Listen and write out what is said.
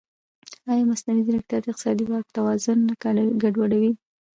ایا مصنوعي ځیرکتیا د اقتصادي واک توازن نه ګډوډوي؟